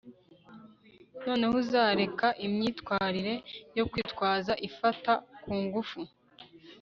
noneho uzareka imyitwarire yo kwitwaza ifata kungufu